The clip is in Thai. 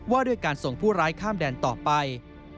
ว่าด้วยการส่งผู้ร้ายข้ามแดนต่อไป